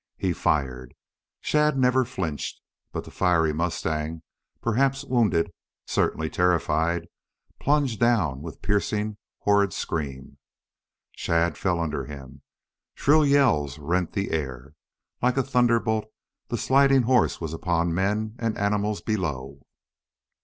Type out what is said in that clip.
He fired. Shadd never flinched. But the fiery mustang, perhaps wounded, certainly terrified, plunged down with piercing, horrid scream. Shadd fell under him. Shrill yells rent the air. Like a thunderbolt the sliding horse was upon men and animals below.